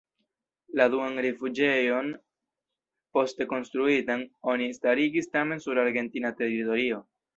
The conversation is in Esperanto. La duan rifuĝejon, poste konstruitan, oni starigis tamen sur argentina teritorio.